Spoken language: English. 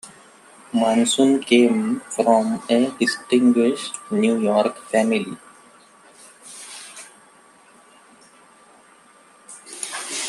Mason came from a distinguished New York family.